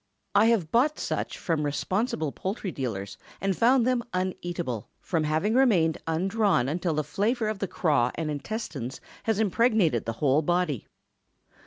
I have bought such from responsible poultry dealers, and found them uneatable, from having remained undrawn until the flavor of the craw and intestines had impregnated the whole body.